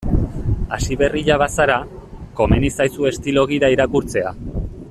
Hasiberria bazara, komeni zaizu estilo gida irakurtzea.